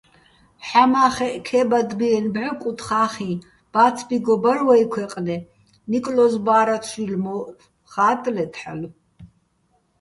ჰ̦ამა́ხეჸ ქე́ბადბიენო̆ ბჵო კუთხახიჼ ბა́ცბიგო ბარ ვეჲ ქვეჲყნე, ნიკლო́ზ ბა́რათშვილ მო́ჸ ხა́ტტლეთ ჰ̦ალო̆.